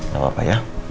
gak apa apa ya